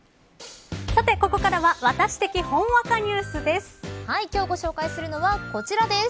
さて、ここからはワタシ的ほんわかニュースです。